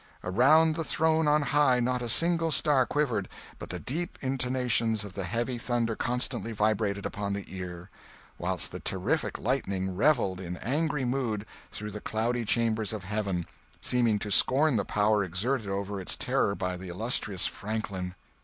Around the throne on high not a single star quivered; but the deep intonations of the heavy thunder constantly vibrated upon the ear; whilst the terrific lightning revelled in angry mood through the cloudy chambers of heaven, seeming to scorn the power exerted over its terror by the illustrious Franklin!